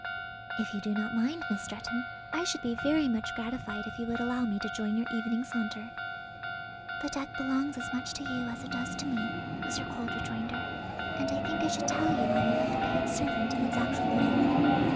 "If you do not mind, Miss Stretton, I should be very much gratified if you would allow me to join your evening saunter." "The deck belongs as much to you as it does to me," was her cold rejoinder, "and I think I should tell you I am but the paid servant of its actual owner."